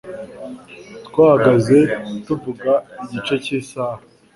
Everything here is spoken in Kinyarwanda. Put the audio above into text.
Twahagaze tuvuga igice cy'isaha.